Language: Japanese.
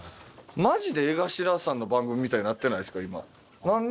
マジで江頭さんの番組みたいになってないですか？